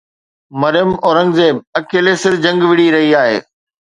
مريم اورنگزيب اڪيلي سر جنگ وڙهي رهي آهي.